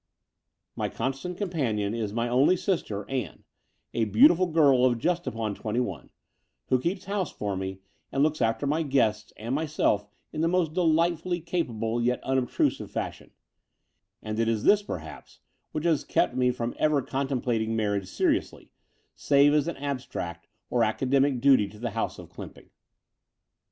My constant companion is my only sister, Ann, a beautiful girl of just upon twenty one, who keeps house for me and looks after my guests and myself in a most delightfully capable, yet unobtrusive fashion: and it is this, perhaps, which has kept me from ever contemplating marriage seriously, save as an abstract or academic duty to the House of Clymping.